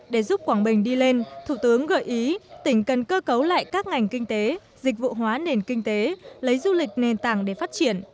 để giúp quảng bình đi lên thủ tướng gợi ý tỉnh cần cơ cấu lại các ngành kinh tế dịch vụ hóa nền kinh tế lấy du lịch nền tảng để phát triển